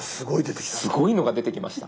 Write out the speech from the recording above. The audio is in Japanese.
すごいのが出てきました。